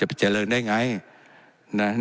และยังเป็นประธานกรรมการอีก